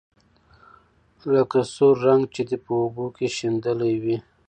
لکه سور رنګ چې دې په اوبو کې شېندلى وي.